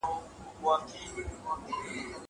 ما خپل دزړه خبري او کیسه به مي کوله